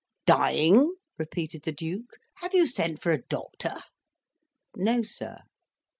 "Dying!" repeated the Duke; "have you sent for a doctor?" "No, sir."